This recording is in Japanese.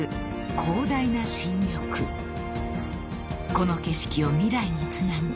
［この景色を未来につなぐ］